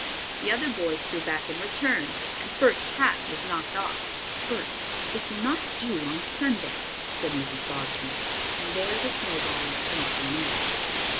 The other boys threw back in return and Bert's hat was knocked off. "Bert, this will not do on Sunday," said Mrs. Bobbsey, and there the snowballing came to an end.